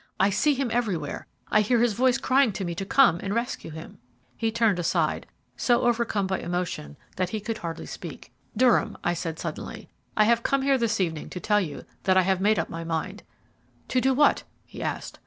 I see him everywhere. I hear his voice crying to me to come and rescue him." He turned aside, so overcome by emotion that he could scarcely speak. "Durham," I said suddenly, "I have come here this evening to tell you that I have made up my mind." "To do what?" he asked.